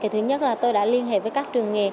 thứ nhất là tôi đã liên hệ với các trường nghề